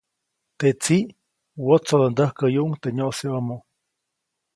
Te tsiʼ wotsodondäjkäyuʼuŋ teʼ nyoʼseʼomo.